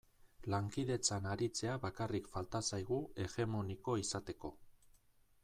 Lankidetzan aritzea bakarrik falta zaigu hegemoniko izateko.